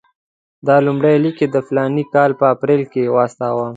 دا لومړی لیک یې د فلاني کال په اپرېل کې واستاوه.